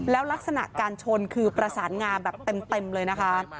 แล้วลักษณะการชนคือประสานงาแบบเต็มเลยนะคะ